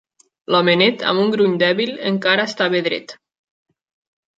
L'homenet, amb un gruny dèbil, encara estava dret.